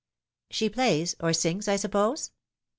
" She plays or sings, I suppose